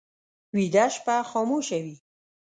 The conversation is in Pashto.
ویده شپه خاموشه وي